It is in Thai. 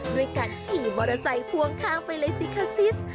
ด้วยการขี่มอเตอร์ไซค์พ่วงข้างไปเลยสิคะซิส